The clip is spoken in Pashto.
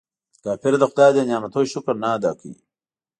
کافر د خداي د نعمتونو شکر نه ادا کوي.